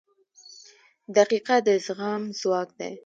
• دقیقه د زغم ځواک دی.